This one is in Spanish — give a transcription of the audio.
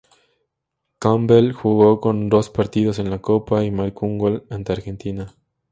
Campbell jugó los dos partidos en la copa, y marcó un gol ante Argentina.